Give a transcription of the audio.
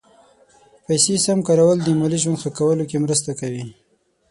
پیسې سم کارول د مالي ژوند ښه کولو کې مرسته کوي.